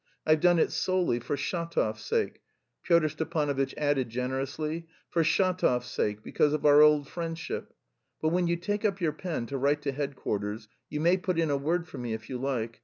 I've done it solely for Shatov's sake," Pyotr Stepanovitch added generously, "for Shatov's sake, because of our old friendship.... But when you take up your pen to write to headquarters, you may put in a word for me, if you like....